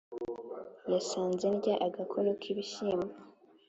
yasanze ndya agakono k’ ibishyimbo,